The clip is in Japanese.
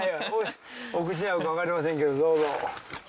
お口に合うかわかりませんけどどうぞ。